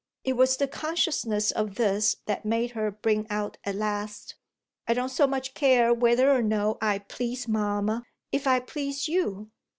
It was the consciousness of this that made her bring out at last: "I don't so much care whether or no I please mamma, if I please you."